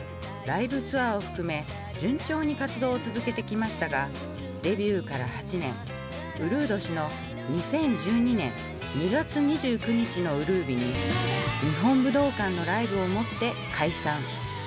ライブツアーを含め順調に活動を続けてきましたがデビューから８年うるう年の２０１２年２月２９日のうるう日に日本武道館のライブをもって解散。